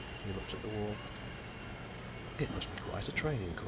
He looked at the wall. "It must be quite a training course."